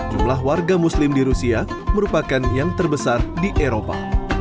jumlah warga muslim di rusia merupakan yang terbesar di eropa